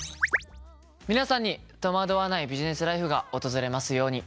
皆さんに戸惑わないビジネスライフが訪れますように。